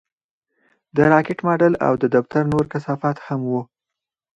د راکټ ماډل او د دفتر نور کثافات هم وو